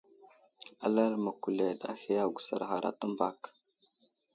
Alal məkuled ahe agusar ghar a təmbak.